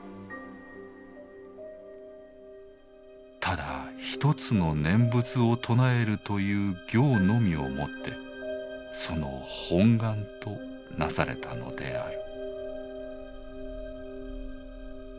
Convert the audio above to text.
ただ一つの念仏を称えるという行のみをもってその本願となされたのである」。